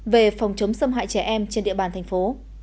về phòng chống xâm hại trẻ em trên địa bàn thành phố